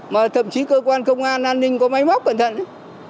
mà thậm chí cơ quan công an an ninh có máy móc cẩn thận